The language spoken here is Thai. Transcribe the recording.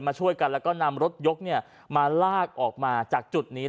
ช่วยกันแล้วก็นำรถยกมาลากออกมาจากจุดนี้